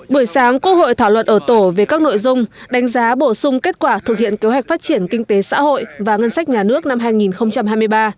buổi sáng quốc hội thảo luận ở tổ về các nội dung đánh giá bổ sung kết quả thực hiện kế hoạch phát triển kinh tế xã hội và ngân sách nhà nước năm hai nghìn hai mươi ba